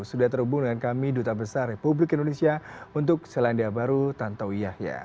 sudah terhubung dengan kami duta besar republik indonesia untuk selandia baru tantowi yahya